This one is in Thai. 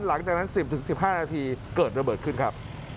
หลังจากนั้น๑๐๑๕นาทีเกิดระเบิดขึ้นครับ